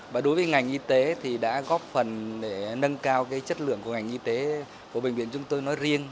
và đối với ngành y tế thì đã góp phần để nâng cao chất lượng của ngành y tế của bệnh viện chúng tôi nói riêng